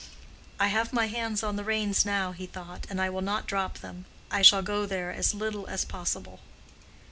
"I have my hands on the reins now," he thought, "and I will not drop them. I shall go there as little as possible."